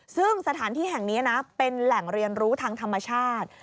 ซึ่งสถานที่แห่งนี้นะเป็นแหล่งเรียนรู้ทางธรรมชาติ